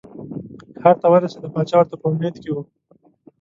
ښار ته ورسېده پاچا ورته په امید کې و.